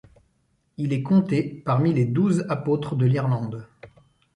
Il est compté parmi les Douze apôtres de l'Irlande.